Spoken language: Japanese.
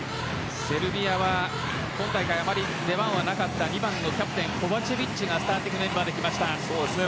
セルビアは今大会あまり出番はなかった２番のキャプテンコバチェビッチがスターティングメンバーできました。